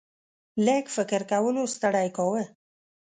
لږ فکر کولو ستړی کاوه.